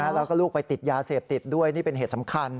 แล้วก็ลูกไปติดยาเสพติดด้วยนี่เป็นเหตุสำคัญ